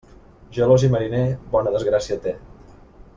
Gelós i mariner, bona desgràcia té.